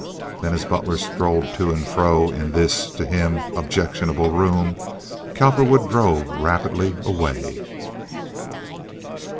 Then, as Butler strolled to and fro in this, to him, objectionable room, Cowperwood drove rapidly away.